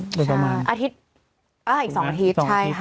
อาทิตย์อีก๒อาทิตย์ใช่ค่ะ